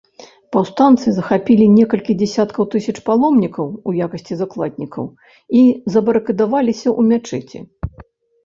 Паўстанцы захапілі некалькі дзесяткаў тысяч паломнікаў у якасці закладнікаў і забарыкадаваліся ў мячэці.